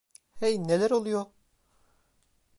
Hey, neler oluyor?